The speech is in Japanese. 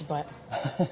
ハハハ。